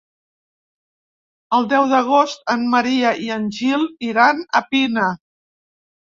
El deu d'agost en Maria i en Gil iran a Pina.